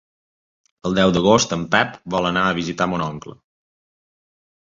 El deu d'agost en Pep vol anar a visitar mon oncle.